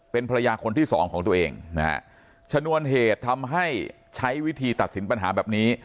เป็นภรรยาคนที่สองของตัวเองนะฮะชนวนเหตุทำให้ใช้วิธีตัดสินปัญหาแบบนี้